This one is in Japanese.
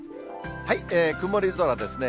曇り空ですね。